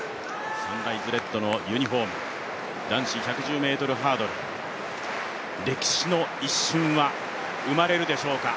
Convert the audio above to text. サンライズレッドのユニフォーム、男子１１０ｍハードル、歴史の一瞬は生まれるでしょうか？